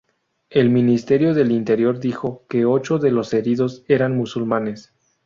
El Ministerio del Interior dijo que ocho de los heridos eran musulmanes.